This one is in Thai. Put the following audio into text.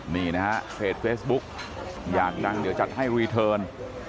นี่นะฮะเพจเฟซบุ๊กอยากดังเดี๋ยวจัดให้รีเทิร์น